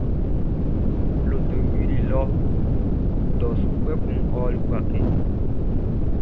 Lotoʼn juli dɔ su, kpɛkun ɔ ɔli Bouaké.